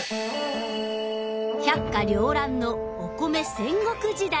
百花繚乱のお米戦国時代！